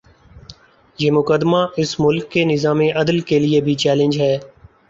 یہ مقدمہ اس ملک کے نظام عدل کے لیے بھی چیلنج ہے۔